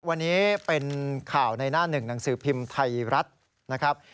วันนี้เป็นข่าวในหน้าหนึ่งหนังสือพิมพ์ไทยรัฐนะครับ